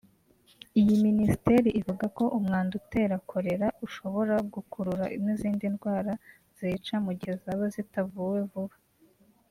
Iyi minisiteri ivuga ko umwanda utera korela ushobora gukurura n’izindi ndwara zica mu gihe zaba zitavuwe vuba